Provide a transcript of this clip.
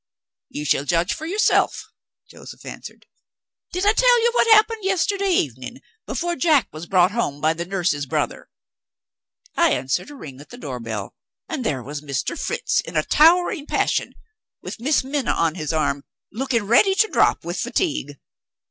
"You shall judge for yourself," Joseph answered. "Did I tell you what happened yesterday evening, before Jack was brought home by the nurse's brother? I answered a ring at the door bell and there was Mr. Fritz in a towering passion, with Miss Minna on his arm looking ready to drop with fatigue.